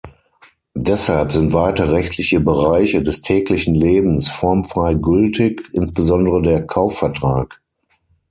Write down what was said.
Deshalb sind weite rechtliche Bereiche des täglichen Lebens formfrei gültig, insbesondere der Kaufvertrag.